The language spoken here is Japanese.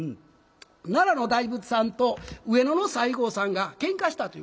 奈良の大仏さんと上野の西郷さんがけんかしたというクイズなんです。